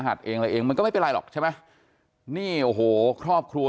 เองอะไรเองมันก็ไม่เป็นไรหรอกใช่ไหมนี่โอ้โหครอบครัว